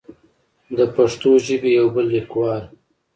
د پښتو ژبې يو بل ليکوال